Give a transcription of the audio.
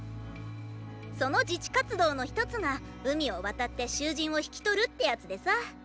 その自治活動の一つが海を渡って囚人を引き取るってやつでさ。